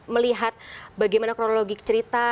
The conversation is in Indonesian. melihat bagaimana kronologi cerita